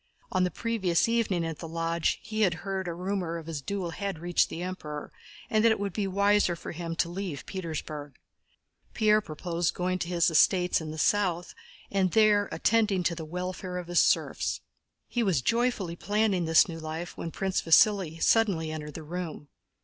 On the previous evening at the Lodge, he had heard that a rumor of his duel had reached the Emperor and that it would be wiser for him to leave Petersburg. Pierre proposed going to his estates in the south and there attending to the welfare of his serfs. He was joyfully planning this new life, when Prince Vasíli suddenly entered the room.